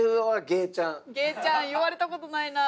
「ゲーちゃん」言われたことないな。